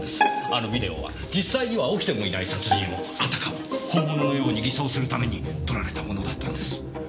あのビデオは実際には起きてもいない殺人をあたかも本物のように偽装するために撮られたものだったんです。